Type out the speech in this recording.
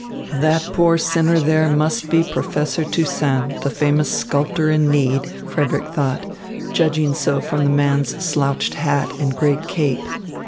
"That poor sinner there must be Professor Toussaint, the famous sculptor in need," Frederick thought, judging so from the man's slouched hat and great cape.